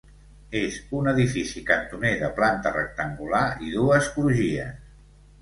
És un edifici cantoner de planta rectangular i dues crugies.